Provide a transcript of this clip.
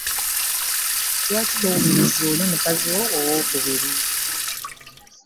Lwaki towuliza oli mukazi wo owokubiri.